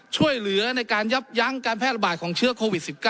ช่วยเหลือในการยับยั้งการแพร่ระบาดของเชื้อโควิด๑๙